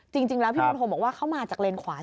จริงแล้วพี่บุญโฮมบอกว่าเข้ามาจากเลนส์ขวาสุด